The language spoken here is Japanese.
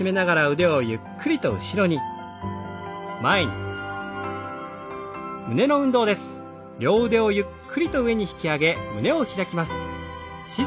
腕をゆっくりと上に大きく胸を開きます。